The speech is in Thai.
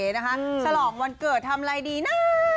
ฉลองวันเกิดทำอะไรดีนะ